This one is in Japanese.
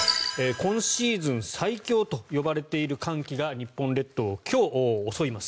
今シーズン最強と呼ばれている寒気が日本列島を今日、襲います。